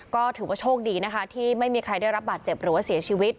ก็ถือว่าโชคดีนะคะที่ไม่มีใครได้รับบาดเจ็บหรือว่าเสียชีวิต